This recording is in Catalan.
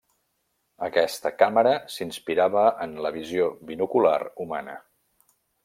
Aquesta càmera s'inspirava en la visió binocular humana.